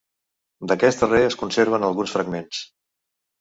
D'aquest darrer es conserven alguns fragments.